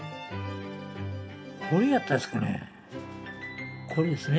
これやったですかね